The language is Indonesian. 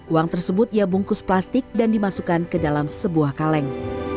uang tersebut ia bungkus plastik dan dimasukkan ke dalam sebuah kaleng